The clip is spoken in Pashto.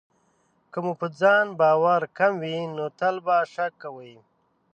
که مو په ځان باور کم وي، نو تل به شک کوئ.